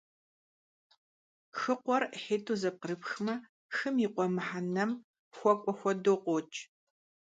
«Хыкъуэр» IыхьитIу зэпкърыпхмэ - «хым и къуэ» мыхьэнэм хуэкIуэ хуэдэу къокI.